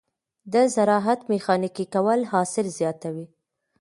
د زراعت ميخانیکي کول حاصل زیاتوي.